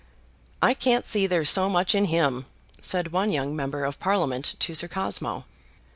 "I can't see that there's so much in him," said one young member of Parliament to Sir Cosmo.